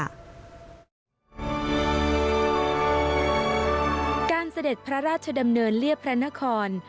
เสด็จพระราชดำเนินเรียบพระนคร